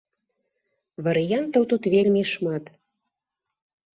Варыянтаў тут вельмі шмат.